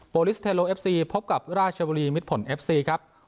ลิสเทโลเอฟซีพบกับราชบุรีมิดผลเอฟซีครับ